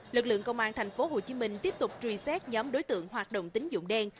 lực lượng công an tp hcm tiếp tục truy xét nhóm đối tượng hoạt động tính dụng đen